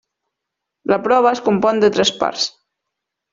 La prova es compon de tres parts.